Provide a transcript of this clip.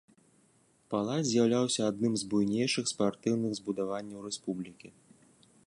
Палац з'яўляўся адным з буйнейшых спартыўных збудаванняў рэспублікі.